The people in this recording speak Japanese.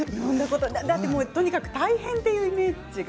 とにかく大変というイメージが。